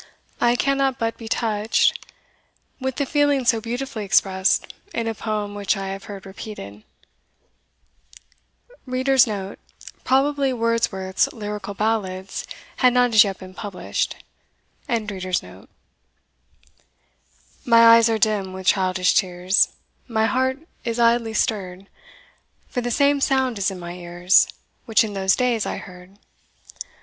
I cannot but be touched with the feeling so beautifully expressed in a poem which I have heard repeated:* *Probably Wordsworth's Lyrical Ballads had not as yet been published. My eyes are dim with childish tears, My heart is idly stirred, For the same sound is in my ears Which in those days I heard.